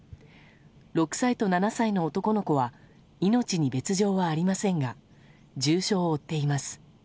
６歳と７歳の男の子は命に別条はありませんが重傷を負っています。